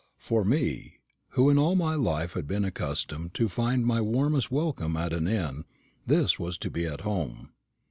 For me, who in all my life had been accustomed to find my warmest welcome at an inn, this was to be at home.